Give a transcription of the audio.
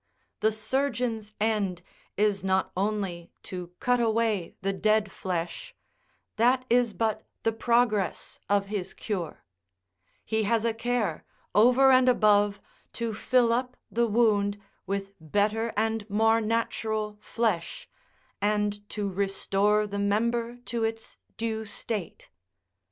The surgeon's end is not only to cut away the dead flesh; that is but the progress of his cure; he has a care, over and above, to fill up the wound with better and more natural flesh, and to restore the member to its due state.